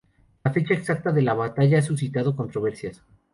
La fecha exacta de la batalla ha suscitado controversias.